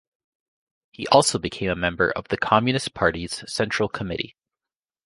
He also became a member of the Communist Party's Central Committee.